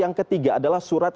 danda juga ada viru satu